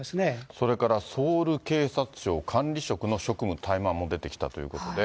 それからソウル警察庁管理職の職務怠慢も出てきたということで。